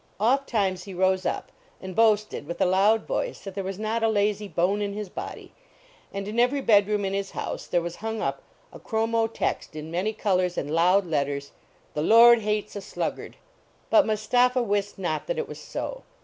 Ofttimes he rose up and boasted with a loud voice that there was not a lazy bone in his body. And in every bed room in his house there was hung up a chromo tcxt in many colors and loud letters " The Lord Hates a Sluggard." But Mustapha wist not that it was so.